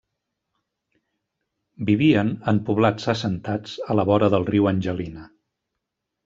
Vivien en poblats assentats a la vora del riu Angelina.